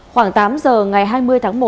khoảng tám giờ ngày hai mươi tháng một